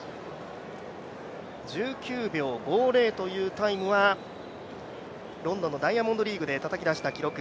１９秒５０というタイムは、ロンドンのダイヤモンドリーグでたたき出した記録。